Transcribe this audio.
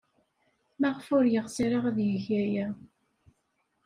Maɣef ur yeɣs ara ad yeg aya?